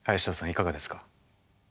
いかがですか？